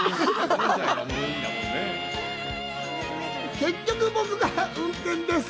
結局、僕が運転です。